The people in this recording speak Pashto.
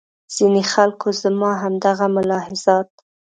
ځینې خلکو زما همدغه ملاحظات.